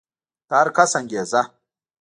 د هر کس انګېزه